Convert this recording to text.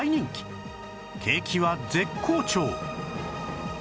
景気は絶好調